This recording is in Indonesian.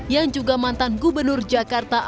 yang juga mantan gubernur jakarta anies bambang